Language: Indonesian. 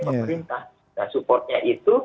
pemerintah nah supportnya itu